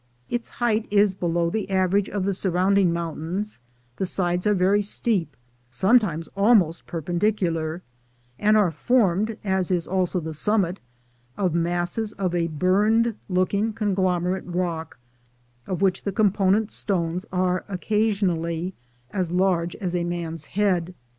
In height it is below the average of the surround ing mountains; the sides are very steep, sometimes almost perpendicular, and are formed, as is also the summit, of masses of a burned looking conglomerate rock, of which the component stones are occasionally as large as a man's head.